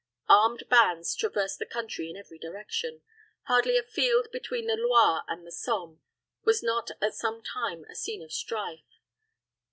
Armed bands traversed the country in every direction. Hardly a field between the Loire and the Somme was not at some time a scene of strife.